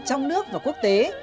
trong nước và quốc tế